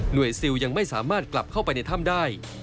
ซิลยังไม่สามารถกลับเข้าไปในถ้ำได้